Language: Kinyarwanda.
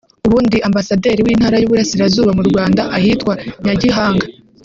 ubu ndi Ambasaderi w’Intara y’Uburasirazuba mu Rwanda ahitwa Nyagihanga